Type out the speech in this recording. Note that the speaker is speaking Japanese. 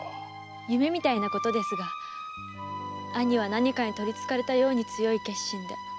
夢みたいなことですが兄は何かに取り憑かれたように強い決心で。